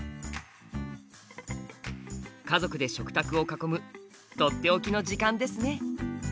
家族で食卓を囲むとっておきの時間ですね。